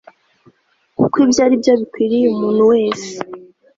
kuko ibyo ari byo bikwiriye umuntu wese